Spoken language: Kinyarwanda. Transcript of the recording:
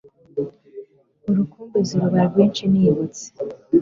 urukumbuzi ruba rwinshi, nibutse